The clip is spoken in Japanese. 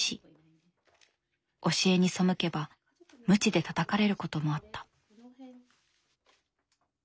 教えに背けばムチでたたかれることもあった。